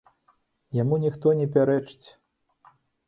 Яму ніхто не пярэчыць.